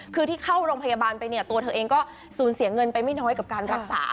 คือที่เข้าโรงพยาบาลไปเนี่ยตัวเธอเองก็สูญเสียเงินไปไม่น้อยกับการรักษา